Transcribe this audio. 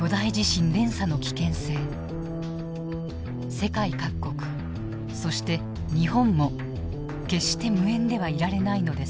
世界各国そして日本も決して無縁ではいられないのです。